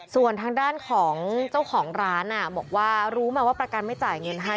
ส่วนทางด้านของเจ้าของร้านบอกว่ารู้มาว่าประกันไม่จ่ายเงินให้